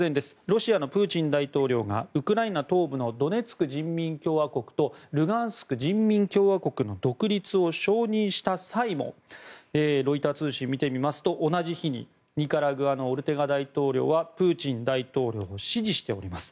ロシアのプーチン大統領がウクライナ東部のドネツク人民共和国とルガンスク人民共和国の独立を承認した際もロイター通信を見てみますと同じ日にニカラグアのオルテガ大統領はプーチン大統領を支持しています。